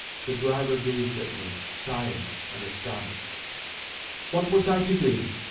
The driver gazed at me, sighing and astonished. What was I to do